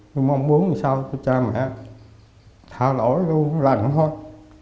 tôi mong muốn sau tôi cha mẹ tha lỗi luôn lành thôi